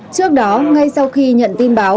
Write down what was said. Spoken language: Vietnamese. trước đó ngay sau khi nhận tin báo